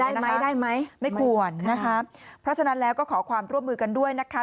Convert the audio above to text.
ได้ไหมได้ไหมไม่ควรนะคะเพราะฉะนั้นแล้วก็ขอความร่วมมือกันด้วยนะคะ